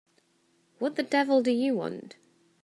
What the devil do you want?